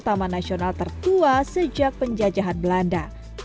taman nasional ter tua sejak penjajahan belanda